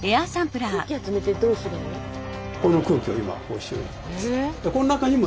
空気集めてどうするの？